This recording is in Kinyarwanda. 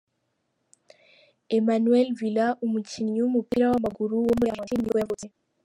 Emanuel Villa, umukinnyi w’umupira w’amaguru wo muri Argentine nibwo yavutse.